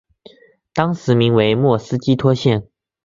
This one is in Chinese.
当时名为莫斯基托县。